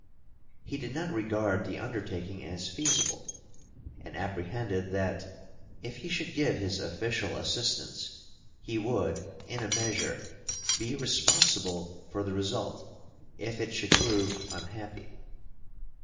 He did not regard the undertaking as feasible, and apprehended that, if he should give his official assistance, he would, in a measure, be responsible for the result if it should prove unhappy.